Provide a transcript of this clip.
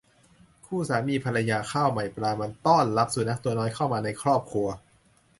คู่สามีภรรยาข้าวใหม่ปลามันต้อนรับสุนัขตัวน้อยเข้ามาในครอบครัว